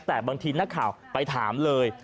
แต่บางทีนักข่าวไปถามเลย